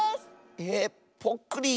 ええぽっくり⁉